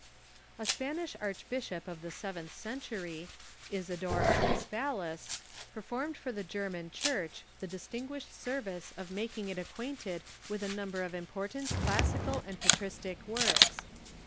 A Spanish archbisho}) of the seventh centur}^, Isidore of Ilispalis, performed for the German Church the distinguished service of making it acquainted with a number of im Pseudo .~^.. Isidorean portant classical and patristic works.